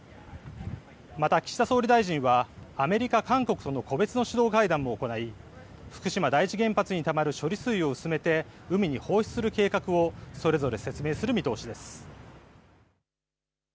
また岸田総理大臣はアメリカ、韓国との個別の首脳会談も行い福島第一原発にたまる処理水を薄めて海に放出する計画をそれぞれ説明する見通しです。